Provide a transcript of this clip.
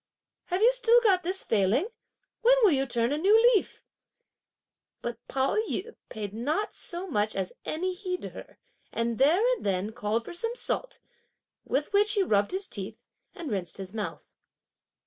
have you still got this failing? when will you turn a new leaf?" But Pao yü paid not so much as any heed to her, and there and then called for some salt, with which he rubbed his teeth, and rinsed his mouth.